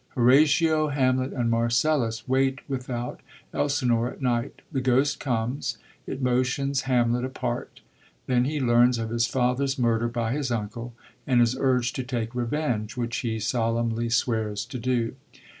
Horatio, Hamlet, and Marcellus wait without Elsinore at night. The ghost comes ; it motions Hamlet apart. Then he learns of his father's murder by his uncle, and is urged to take revenge, which he solemnly swears to do.